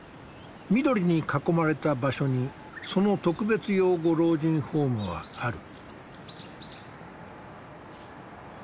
緑に囲まれた場所にその特別養護老人ホームはある。